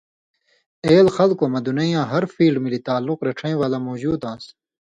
اېل خلکؤں مہ دُنئ یاں ہر فیلڈ مِلی تعلق رڇَھیں ولا مؤجُود آن٘س